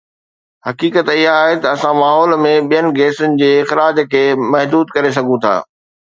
حقيقت اها آهي ته اسان ماحول ۾ ٻين گيسن جي اخراج کي محدود ڪري سگهون ٿا